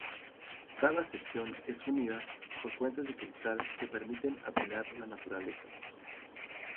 Cada sección es unida por puentes de cristal que permiten admirar la naturaleza.